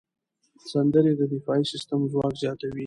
سندرې د دفاعي سیستم ځواک زیاتوي.